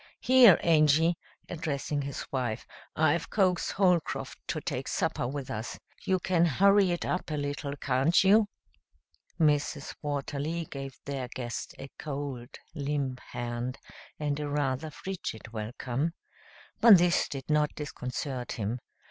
Here, Angy," addressing his wife, "I've coaxed Holcroft to take supper with us. You can hurry it up a little, can't you?" Mrs. Watterly gave their guest a cold, limp hand and a rather frigid welcome. But this did not disconcert him.